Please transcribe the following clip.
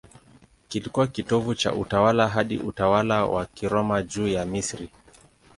Kilikuwa kitovu cha utawala hadi utawala wa Kiroma juu ya Misri.